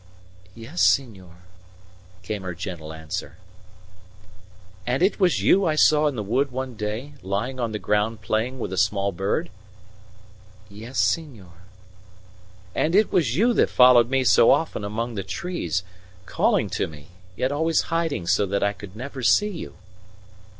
"Yes, senor," came her gentle answer. "And it was you I saw in the wood one day, lying on the ground playing with a small bird?" "Yes, senor." "And it was you that followed me so often among the trees, calling to me, yet always hiding so that I could never see you?"